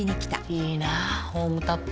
いいなホームタップ。